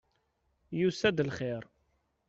Yusa-d lxir!